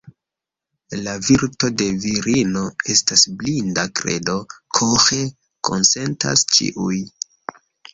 La virto de virino estas blinda kredo, ĥore konsentas ĉiuj.